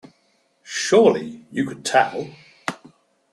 Surely you could tell?